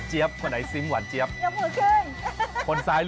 ขวยจั๊บปลาสาวนี่ก็อร่อย